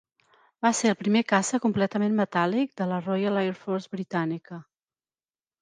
Va ser el primer caça completament metàl·lic de la Royal Air Force britànica.